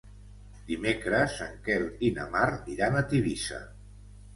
Dimecres en Quel i na Mar iran a Tivissa.